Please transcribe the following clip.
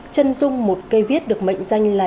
trân dung một cây viết được mệnh danh là